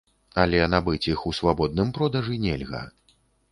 Але набыць іх ў свабодным продажы нельга.